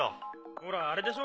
ほらあれでしょ